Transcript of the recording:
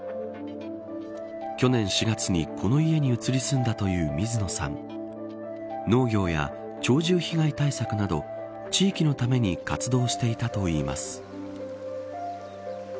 去年４月に、この家に移り住んだという水野さん農業や鳥獣被害対策など地域のために活動していたといいます。